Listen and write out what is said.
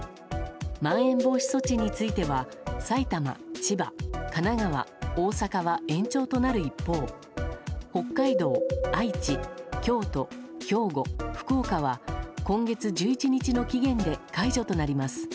まん延防止措置については埼玉、千葉、神奈川大阪は延長となる一方北海道、愛知京都、兵庫、福岡は今月１１日の期限で解除となります。